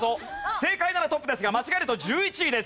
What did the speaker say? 正解ならトップですが間違えると１１位です。